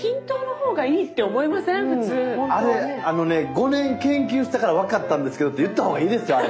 「５年研究したから分かったんですけど」って言った方がいいですよあれ。